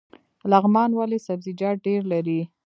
لغمان ولې سبزیجات ډیر لري؟